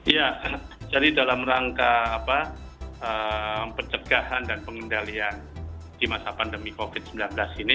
ya jadi dalam rangka pencegahan dan pengendalian di masa pandemi covid sembilan belas ini